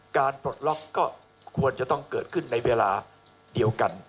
ปลดล็อกก็ควรจะต้องเกิดขึ้นในเวลาเดียวกัน